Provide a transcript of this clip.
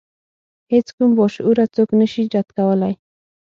هیڅ کوم باشعوره څوک نشي رد کولای.